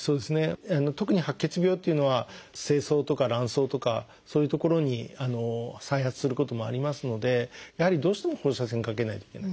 特に白血病っていうのは精巣とか卵巣とかそういう所に再発することもありますのでやはりどうしても放射線かけないといけない。